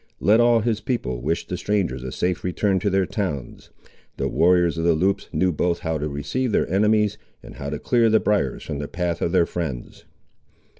Let all his people wish the strangers a safe return to their towns. The warriors of the Loups knew both how to receive their enemies, and how to clear the briars from the path of their friends.